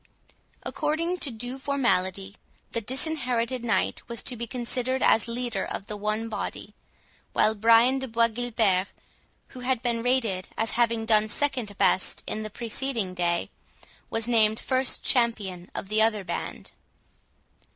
According to due formality, the Disinherited Knight was to be considered as leader of the one body, while Brian de Bois Guilbert, who had been rated as having done second best in the preceding day, was named first champion of the other band.